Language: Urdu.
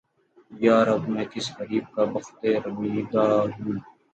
یارب! میں کس غریب کا بختِ رمیدہ ہوں!